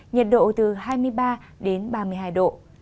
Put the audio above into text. nhiệt độ từ hai mươi ba đến ba mươi hai độ